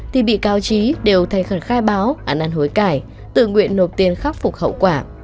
thì bị cáo trí đều thay khẩn khai báo ăn ăn hối cải tự nguyện nộp tiền khắc phục hậu quả